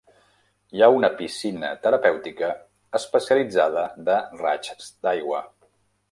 Hi ha una piscina terapèutica especialitzada de raigs d'aigua.